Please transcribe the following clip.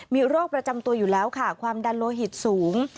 มีโรคประจำตัวอยู่แล้วค่ะความดันโลหิตสูง